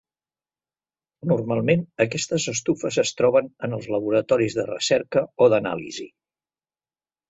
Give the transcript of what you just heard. Normalment aquestes estufes es troben en els laboratoris de recerca o d'anàlisi.